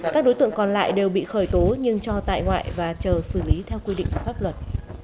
các đối tượng còn lại đều bị khởi tố nhưng cho tại ngoại và chờ xử lý theo quy định của pháp luật